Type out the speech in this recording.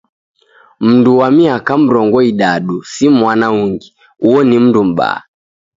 Mndu wa miaka mrongo idadu si mwana ungi, uo ni mndu m'baa.